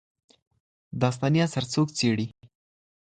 داستاني اثر څوک څېړي؟